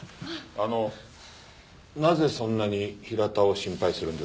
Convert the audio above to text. あのなぜそんなに平田を心配するんですか？